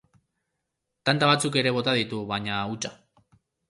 Tanta batzuk ere bota ditu, baina hutsa.